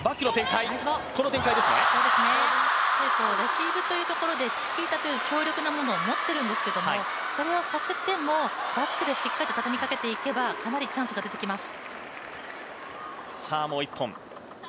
レシーブというところでチキータという強力なものを持っているんですけれども、それをさせても、バックでしっかりと畳みかけていけばかなりチャンスが出てきます。